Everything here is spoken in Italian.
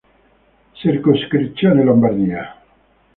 Circoscrizione Lombardia